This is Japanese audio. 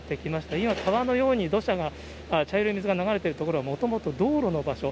今、川のように土砂が、茶色い水が流れている所は、もともと道路の場所。